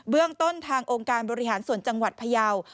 เรื่องต้นทางองค์การบริหารส่วนจังหวัดพยาว